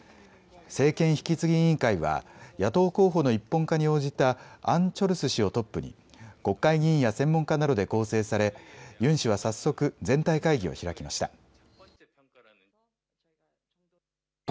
政権引き継ぎ委員会は野党候補の一本化に応じたアン・チョルス氏をトップに国会議員や専門家などで構成されユン氏は早速、全体会議を開きました。